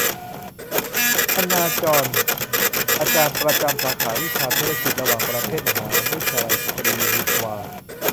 ฮันนา จ็อน อาจารย์ประจำสาขาวิชาธุรกิจระหว่างประเทศ มหาวิทยาลัยสตรีอีฮวา